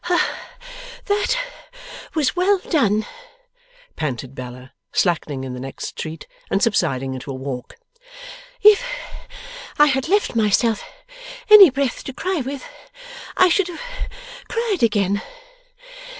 'That was well done!' panted Bella, slackening in the next street, and subsiding into a walk. 'If I had left myself any breath to cry with, I should have cried again.